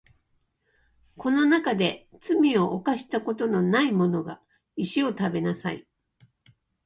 この中で罪を犯したことのないものが石を食べなさい